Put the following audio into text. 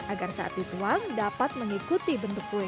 agar saat dituang dapat mengikuti bentuk kue